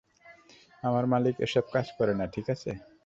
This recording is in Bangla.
আমার মালিক এসব কাজ করে না, ঠিক আছে।